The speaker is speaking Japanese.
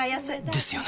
ですよね